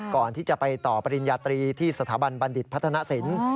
ก่อนที่จะไปต่อปริญญาตรีที่สถาบันบัณฑิตพัฒนศิลป์